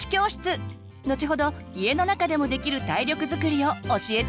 のちほど家の中でもできる体力づくりを教えて頂きます。